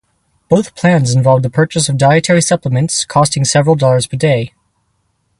Both plans involved the purchase of dietary supplements costing several dollars per day.